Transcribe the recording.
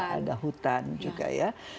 ada hutan juga ya